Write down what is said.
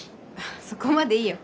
そこまでいいよ。